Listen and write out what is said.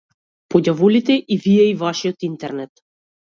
По ѓаволите и вие и вашиот интернет.